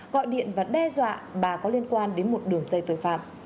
gọi điện và đe dọa bà có liên quan đến một đường dây tội phạm